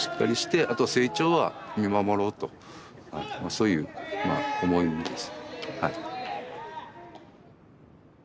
そういう思いです。